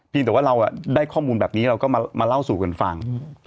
แต่ว่าเราได้ข้อมูลแบบนี้เราก็มาเล่าสู่กันฟัง